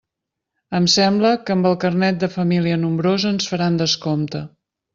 Em sembla que amb el carnet de família nombrosa ens faran descompte.